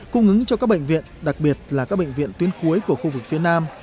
cung ứng cho các bệnh viện đặc biệt là các bệnh viện tuyến cuối của khu vực phía nam